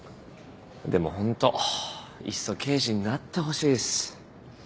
でもホントいっそ刑事になってほしいっす。